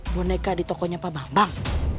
boneka di tokonya pak bambang